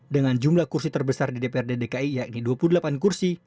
dengan jumlah kursi terbesar di dprd dki yakni dua puluh delapan kursi